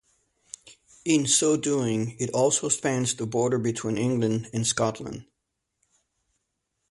In so doing it also spans the border between England and Scotland.